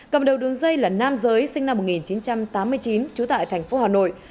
cầm đầu đường dây là nam giới sinh năm một nghìn chín trăm tám mươi chín trú tại thành phố hà nội